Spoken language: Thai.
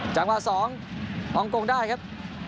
จังหวะสององค์กรงได้ครับ